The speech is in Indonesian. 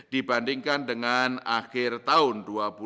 dibandingkan dengan akhir tahun dua ribu dua puluh